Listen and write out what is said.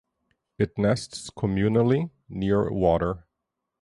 It nests communally, near water.